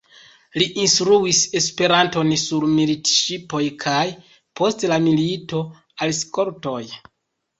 Li instruis Esperanton sur militŝipoj kaj, post la milito, al skoltoj.